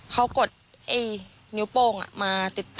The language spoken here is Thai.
เขากดนิ้วโป้งมาติดต่อ